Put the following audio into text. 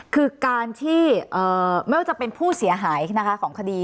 คือการที่ไม่ว่าจะเป็นผู้เสียหายนะคะของคดี